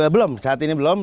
belum saat ini belum